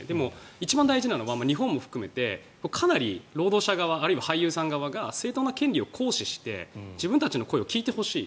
一番大事なのは日本も含めてかなり労働者側、俳優側が正当な権利を行使して自分たちの声を聞いてほしい。